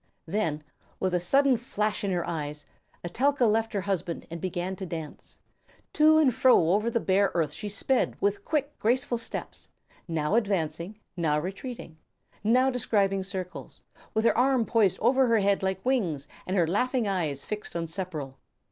Then, with a sudden flash in her eyes, Etelka left her husband and began to dance. To and fro over the bare earth she sped with quick graceful steps, now advancing, now retreating, now describing circles, with her arm poised above her head like wings and her laughing eyes fixed on Sepperl.